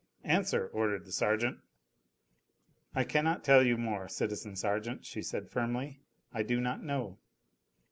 "Answer," ordered the sergeant. "I cannot tell you more, citizen sergeant," she said firmly. "I do not know."